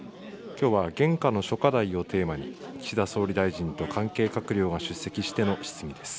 きょうは現下の諸課題をテーマに、岸田総理大臣と関係閣僚が出席しての質疑です。